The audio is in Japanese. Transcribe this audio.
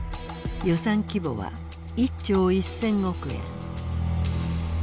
予算規模は１兆１，０００億円。